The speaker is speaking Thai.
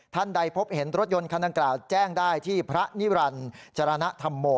ท่านใดพบเห็นรถยนต์คันดังกล่าวแจ้งได้ที่พระนิรันดิ์จรรณธรรมโม